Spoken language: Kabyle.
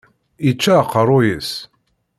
Yečča aqerruy-is.